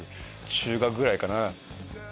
中学ぐらいかな。